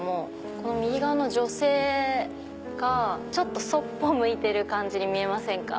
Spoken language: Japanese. この右側の女性がそっぽ向いてる感じに見えませんか？